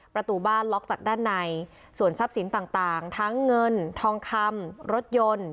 ประตูบ้านล็อกจากด้านในส่วนทรัพย์สินต่างทั้งเงินทองคำรถยนต์